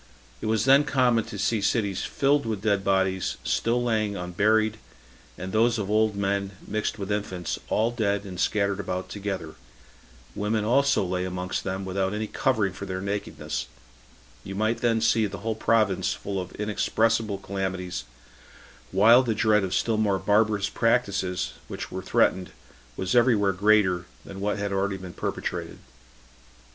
It was then common to see cities filled with dead bodies, still lying unburied, and those of old men, mixed with infants, all dead, and scattered about together; women also lay amongst them, without any covering for their nakedness: you might then see the whole province full of inexpressible calamities, while the dread of still more barbarous practices which were threatened was every where greater than what had been already perpetrated.